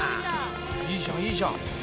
いいじゃんいいじゃん。